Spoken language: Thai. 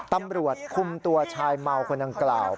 ตำรวจคุมตัวชายเมาคนดังกล่าว